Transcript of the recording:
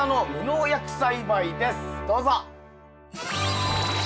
どうぞ！